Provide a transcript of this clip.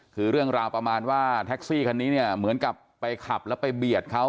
คือเรื่องราวประมาณว่าแท็กซี่คันนี้เนี่ยเหมือนกับไปขับแล้วไปเบียดเขา